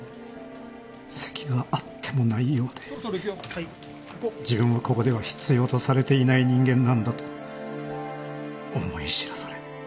席があってもないようで自分はここでは必要とされていない人間なんだと思い知らされ。